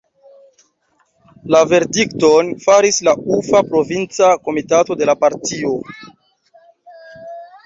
La verdikton faris la Ufa provinca komitato de la partio.